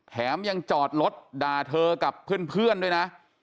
แถมยังจอดรถด่าเธอกับเพื่อนด้วยนะ